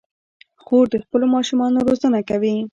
خور د خپلو ماشومانو روزنه کوي.